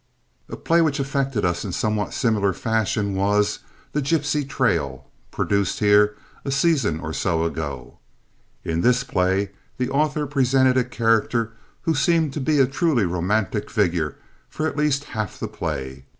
A play which affected us in somewhat similar fashion was The Gipsy Trail, produced here a season or so ago. In this play the author presented a character who seemed to be a truly romantic figure for at least half the play.